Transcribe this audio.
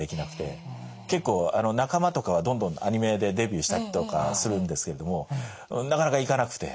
結構仲間とかはどんどんアニメでデビューしたりとかするんですけれどもなかなかいかなくて。